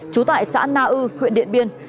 trú tại xã na ư huyện điện biên